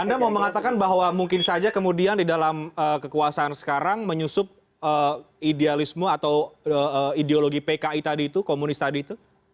anda mau mengatakan bahwa mungkin saja kemudian di dalam kekuasaan sekarang menyusup idealisme atau ideologi pki tadi itu komunis tadi itu